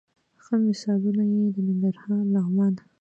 ښه مثالونه یې د ننګرهار، لغمان،